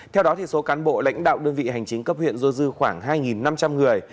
theo đó số cán bộ lãnh đạo đơn vị hành chính cấp huyện dôi dư khoảng hai năm trăm linh người